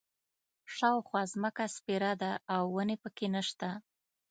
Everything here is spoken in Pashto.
شاوخوا ځمکه سپېره ده او ونې په کې نه شته.